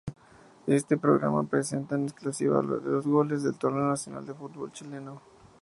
Este programa presenta en exclusiva los goles del torneo nacional de fútbol chileno.